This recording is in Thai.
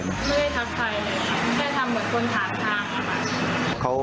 ไม่ได้ทักทายเลยค่ะแค่ทำเหมือนคนถามทางค่ะ